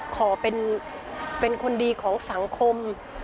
ขอเป็นคนดีของสังคม